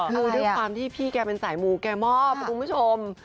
คือด้วยความที่พี่แกเป็นสายมูแกมอบคุณผู้ชม